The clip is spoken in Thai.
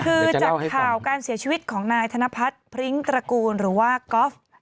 คือจากข่าวการเสียชีวิตของนายธนพัฒน์พริ้งตระกูลหรือว่าก๊อฟ